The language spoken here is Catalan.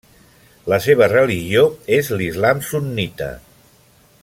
La seva religió és l'islam sunnita.